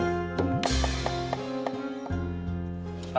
nah teh makan